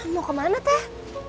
mau kemana teh